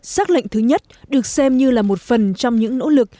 xác lệnh thứ nhất được xem như là một phần trong những nỗ lực